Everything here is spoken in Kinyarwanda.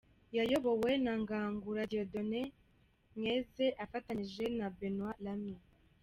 Yayobowe na Ngangura Dieudonné Mweze afatanyije na Benoît Lamy.